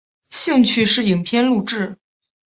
兴趣是影片录制。